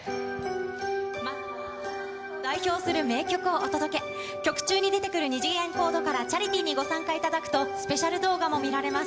まずは代表するメドレー、二次元コードからチャリティーにご参加いただくと、スペシャル動画も見られます。